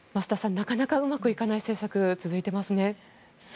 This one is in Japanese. なかなかうまくいかない政策が続いていますね。